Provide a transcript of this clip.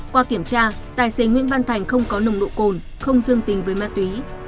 qua kiểm tra tài xế nguyễn văn thành không có nồng độ cồn không dương tính với ma túy